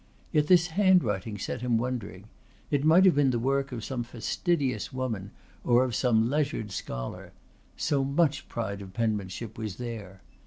Yet this handwriting set him wondering. It might have been the work of some fastidious woman or of some leisured scholar; so much pride of penmanship was there.